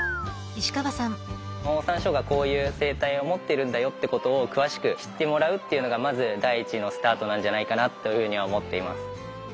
オオサンショウウオがこういう生態を持ってるんだよってことを詳しく知ってもらうっていうのがまず第一のスタートなんじゃないかなというふうには思っています。